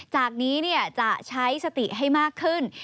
จากนี้จะใช้สติให้มากขึ้น